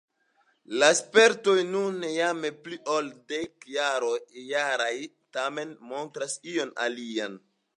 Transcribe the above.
La spertoj nun jam pli ol dekjaraj tamen montras ion alian.